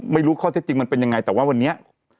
ไม่รู้ข้อเท็จจริงมันเป็นยังไงแต่ว่าวันนี้